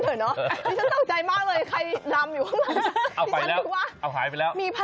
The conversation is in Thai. เปิดนี่ตัวออกไปก่อนอ้านเขาก่อน